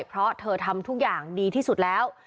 เพราะเธอทำทุกอย่างดีที่สุดแล้ว